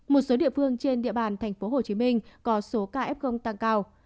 một số địa phương trên địa bàn tp hcm có số ca f tăng cao